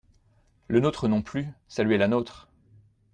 Le nôtre non plus, saluez la nôtre.